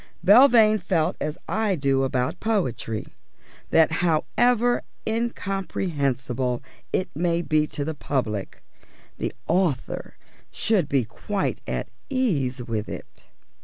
Belvane felt as I do about poetry: that however incomprehensible it may be to the public, the author should be quite at ease with it.